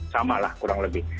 sama lah kurang lebih